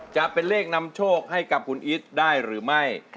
จะเป็นเลขนำโชคให้กับคุณอีทได้หรือไม่